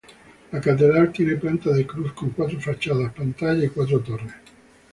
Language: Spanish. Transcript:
La catedral tiene planta de cruz con cuatro fachadas-pantalla y cuatro torres.